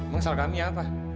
mengesal kami apa